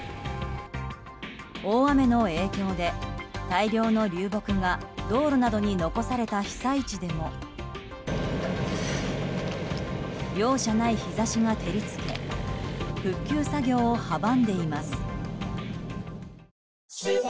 大雨の影響で、大量の流木が道路などに残された被災地でも容赦ない日差しが照り付け復旧作業を阻んでいます。